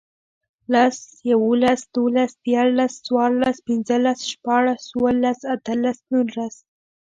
لس, یوولس, دوولس, دیرلس، څوارلس, پنځلس, شپاړس, اووهلس, اتهلس, نورلس